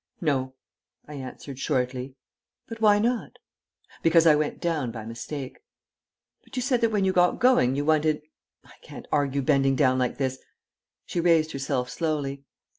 "No," I answered shortly. "But why not?" "Because I went down by mistake." "But you said that when you got going, you wanted I can't argue bending down like this." She raised herself slowly.